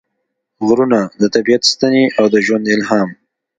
غرونه – د طبیعت ستنې او د ژوند الهام